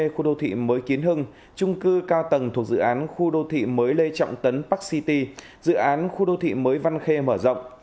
khu đô thị mới kiến hưng trung cư cao tầng thuộc dự án khu đô thị mới lê trọng tấn park city dự án khu đô thị mới văn khê mở rộng